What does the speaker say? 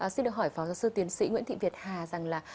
xin được hỏi phó giáo sư tiến sĩ nguyễn thị việt hà rằng là